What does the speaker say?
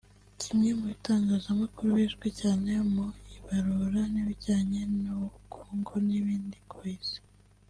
Kimwe mu bitangazamakuru bizwi cyane mu ibarura n’ibijyanye n’ubukungu n’ibindi ku Isi